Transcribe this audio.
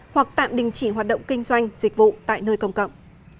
hoặc tạm đình chỉ hoạt động kinh doanh dịch vụ tại nơi công cộng